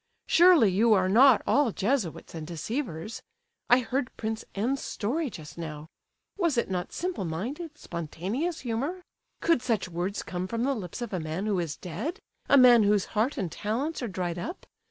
Surely you are not all Jesuits and deceivers! I heard Prince N.'s story just now. Was it not simple minded, spontaneous humour? Could such words come from the lips of a man who is dead?—a man whose heart and talents are dried up?